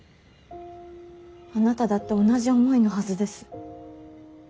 あなただって同じ思いのはずです。